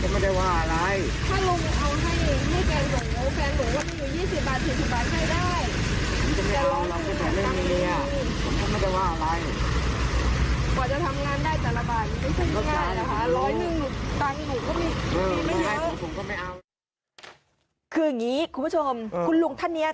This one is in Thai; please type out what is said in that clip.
คืออย่างนี้คุณผู้ชมคุณลุงท่านนี้